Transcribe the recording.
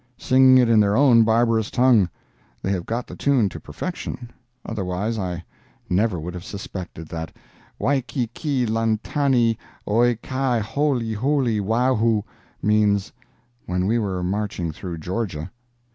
—singing it in their own barbarous tongue! They have got the tune to perfection—otherwise I never would have suspected that "Waikiki lantani oe Kaa hooly hooly wawhoo" means, "When We Were Marching Through Georgia."